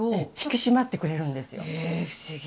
え不思議。